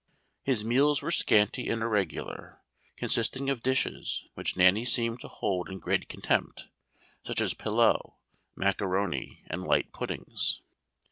His meals were scanty and irregular, consisting of dishes which Nanny seemed to hold in great contempt, such as pillau, macaroni, and light puddings.